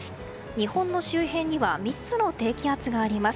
日本の周辺には３つの低気圧があります。